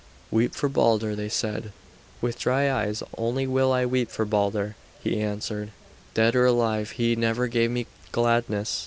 "Weep for Balder," they said. "With dry eyes only will I weep for Balder," she answered. "Dead or alive, he never gave me gladness.